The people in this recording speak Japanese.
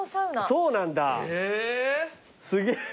そうなんだ。えぇー！